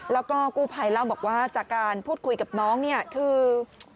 แล้วก็กู้ภัยเล่าบอกว่าจากการพูดคุยกับน้องเนี่ยคือ